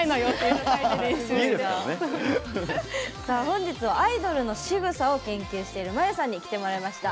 本日はアイドルのしぐさを研究しているまゆさんに来てもらいました。